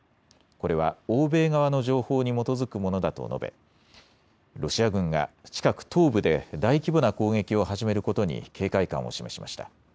これは欧米側の情報に基づくものだと述べ、ロシア軍が近く東部で大規模な攻撃を始めることに警戒感を示しました。